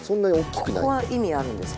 ここは意味あるんですか？